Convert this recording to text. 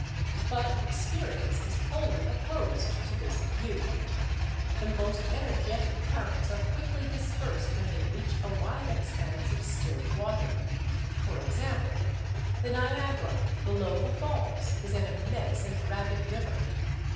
But experience is wholly opposed to this view. The most energetic currents are quickly dispersed when they reach a wide expanse of still water. For example, the Niagara below the falls is an immense and rapid river.